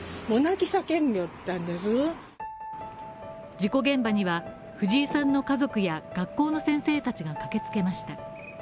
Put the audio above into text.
事故現場には藤井さんの家族や学校の先生たちが駆けつけました。